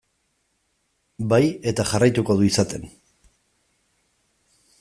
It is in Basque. Bai, eta jarraituko du izaten.